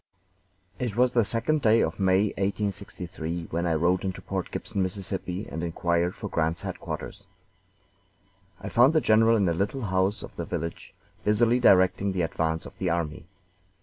It was the second day of May, 1863, when I rode into Port Gibson, Miss., and inquired for Grant's headquarters. I found the general in a little house of the village, busily directing the advance of the army.